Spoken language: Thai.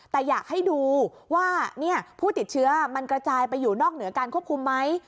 แต่อยากให้ดูว่าผู้ติดเชื้อมันกระจายไปอยู่นอกเหนือการควบคุมไหม